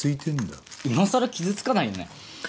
今さら傷つかないよね？